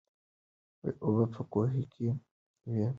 اوبه په کوهي کې وې.